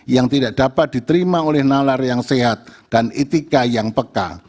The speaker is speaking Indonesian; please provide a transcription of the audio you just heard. yang tidak dapat diterima oleh nalar yang sehat dan etika yang peka